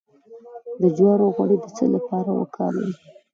د جوارو غوړي د څه لپاره وکاروم؟